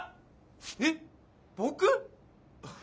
えっ僕！？